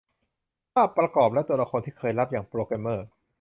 ภาพประกอบ และตัวละครที่เคยลับอย่างโปรแกรมเมอร์